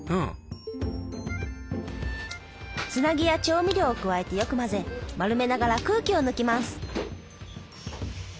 つなぎや調味料を加えてよく混ぜ丸めながら空気を抜きます。